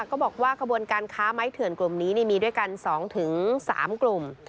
ก็บอกว่าขบวนการค้าไม้เถื่อนกลุ่มนี้มีด้วยกัน๒๓กลุ่ม